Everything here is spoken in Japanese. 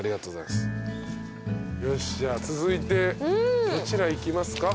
よしじゃあ続いてどちら行きますか？